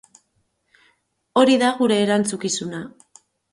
Hori da gure erantzukizuna.